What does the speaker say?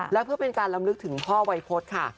และเพื่อเป็นการลำลึกถึงพ่อวัยพฤษค่ะ